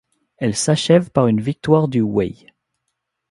Elle s’achève par une victoire du Wei.